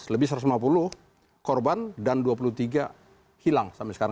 lebih satu ratus lima puluh korban dan dua puluh tiga hilang sampai sekarang